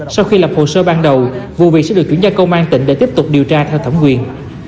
sau khi lập hồ sơ ban đầu vụ việc sẽ được chuyển giao công an tỉnh để tiếp tục điều tra theo thẩm quyền